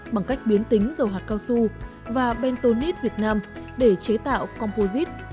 bằng cách biến tính dầu hạt cao su và bentonite việt nam để chế tạo composite